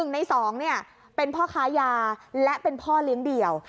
๑ใน๒เป็นพ่อค้ายาและเป็นพ่อเลี้ยงเดี่ยว